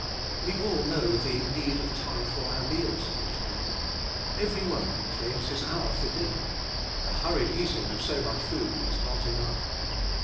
We all know the need of time for our meals each day, — every workman claims his hour for dinner; the hurried eating of so much food is not enough.